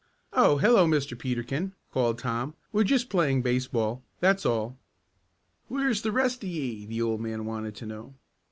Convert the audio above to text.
"Oh, hello, Mr. Peterkin," called Tom. "We're just playing baseball that's all." "Where's the rest of ye?" the old man wanted to know.